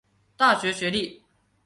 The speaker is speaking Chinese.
大学学历。